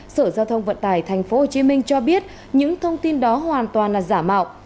sở giao thông vận tải tp hcm cho biết những thông tin đó hoàn toàn là giả mạo